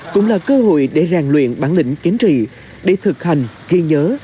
cũng là cơ hội để ràng luyện bản lĩnh chiến trị để thực hành ghi nhớ